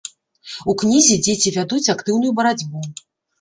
У кнізе дзеці вядуць актыўную барацьбу.